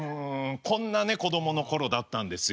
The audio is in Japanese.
こんなね子供の頃だったんですよ。